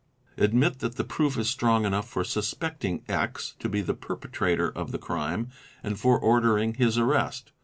Admit that the proof is strong enough for suspecting X to be the perpetrator of the crime and for ordering his arrest.